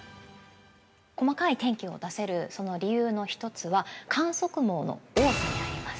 ◆細かい天気を出せる、その理由の１つは、観測網の多さにあります。